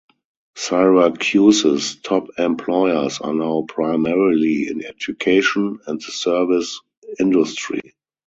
Syracuse's top employers are now primarily in education and the service industry.